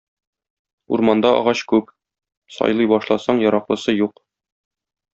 Урманда агач күп, сайлый башласаң яраклысы юк.